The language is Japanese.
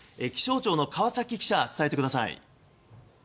気象庁の川崎記者伝えてください。